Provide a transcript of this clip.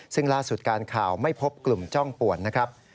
ซึ่งล่าสุดการข่าวไม่พบกลุ่มจ้องป่วนนะครับ